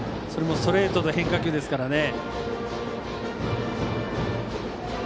それもストレートと変化球ですから。